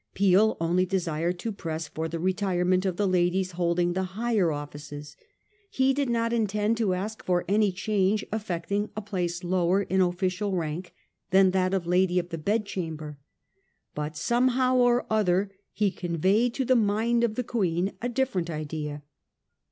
Peel only desired to press for the retirement of the ladies holding the higher offices; he did not intend to ask for any change affecting a place lower in official rank than that of lady of the bedchamber. But somehow or other he conveyed to the mind of the Queen a different idea.